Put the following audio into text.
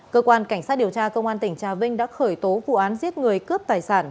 cơ quan cảnh sát điều tra công an tỉnh trà vinh đã khởi tố vụ án giết người cướp tài sản